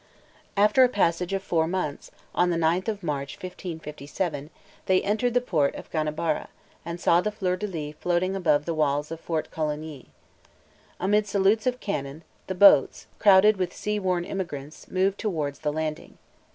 After a passage of four months, on the ninth of March, 1557, they entered the port of Ganabara, and saw the fleur de lis floating above the walls of Fort Coligny. Amid salutes of cannon, the boats, crowded with sea worn emigrants, moved towards the landing.